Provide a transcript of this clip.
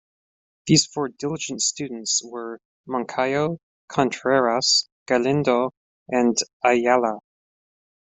These four diligent students were Moncayo, Contreras, Galindo and Ayala.